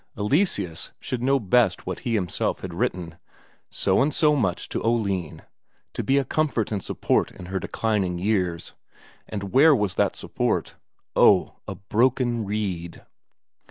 Eleseus should know best what he himself had written so and so much to Oline, to be a comfort and support in her declining years. And where was that support? Oh, a broken reed!